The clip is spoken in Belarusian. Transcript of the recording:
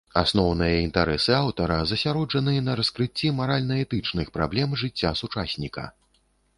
Асноўныя інтарэсы аўтара засяроджаны на раскрыцці маральна-этычных праблем жыцця сучасніка.